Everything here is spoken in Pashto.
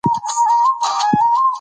قاعده د زده کړي اسانتیا ده.